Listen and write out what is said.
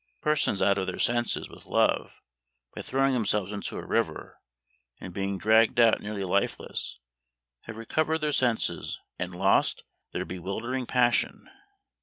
Persons out of their senses with love, by throwing themselves into a river, and being dragged out nearly lifeless, have recovered their senses, and lost their bewildering passion.